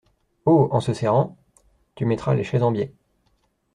Oh ! en se serrant… tu mettras les chaises en biais !